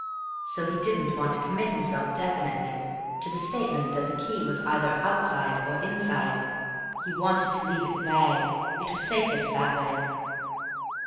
So he didn't want to commit himself definitely to the statement that the key was either outside or inside. He wanted to leave it vague. It was safest that way."